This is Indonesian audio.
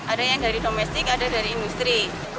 ada yang dari domestik ada dari industri